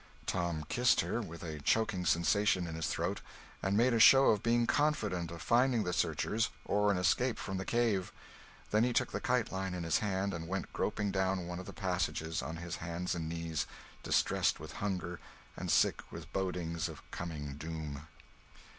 Tom kissed her, with a choking sensation in his throat, and made a show of being confident of finding the searchers or an escape from the cave; then he took the kite line in his hand and went groping down one of the passages on his hands and knees, distressed with hunger and sick with bodings of coming doom.